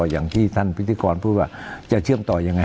อย่างที่ท่านพิธีกรพูดว่าจะเชื่อมต่อยังไง